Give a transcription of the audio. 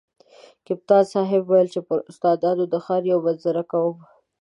کپتان صاحب ویل چې پر استادانو د ښار یوه منظره کوم.